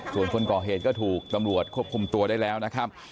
ส่วนคนก่อเหตุก็ถูกตำรวจควบคุมตัวได้แล้วนะครับ